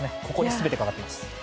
ここに全てがかかっています。